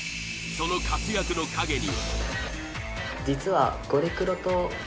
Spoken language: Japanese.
その活躍の影に。